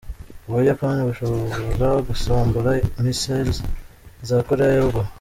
Ubuyapani bushobora gusambura "missiles" za Korea ya Ruguru.